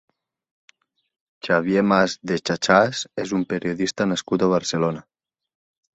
Xavier Mas de Xaxàs és un periodista nascut a Barcelona.